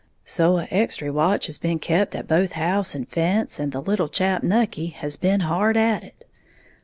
So a' extry watch has been kept at both house and fence, and the little chap, Nucky, he has been hard at it.